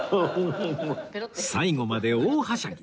最後まで大はしゃぎ！